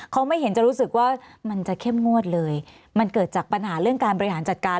เขาไม่เห็นจะรู้สึกว่ามันจะเข้มงวดเลยมันเกิดจากปัญหาเรื่องการบริหารจัดการ